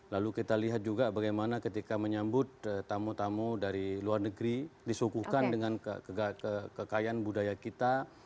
lalu kita lihat juga bagaimana ketika menyambut tamu tamu dari luar negeri disuguhkan dengan kekayaan budaya kita